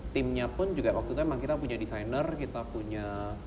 timnya pun juga waktu itu memang kita punya desainer kita punya